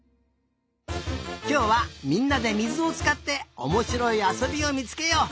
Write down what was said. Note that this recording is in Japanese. きょうはみんなでみずをつかっておもしろいあそびをみつけよう。